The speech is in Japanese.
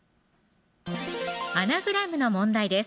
アナグラムの問題です